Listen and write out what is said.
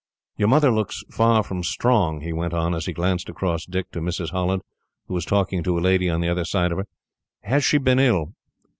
"Your mother looks far from strong," he went on, as he glanced across Dick to Mrs. Holland, who was talking to a lady on the other side of her. "Has she been ill?"